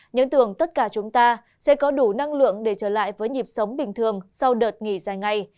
những tưởng tất cả chúng ta sẽ có đủ năng lượng để trở lại với nhịp sống bình thường sau đợt nghỉ dài ngày